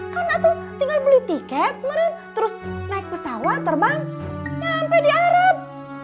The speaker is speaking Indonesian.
karena tuh tinggal beli tiket meren terus naik pesawat terbang sampai di arab